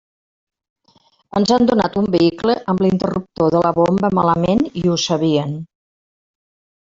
Ens han donat un vehicle amb l'interruptor de la bomba malament i ho sabien.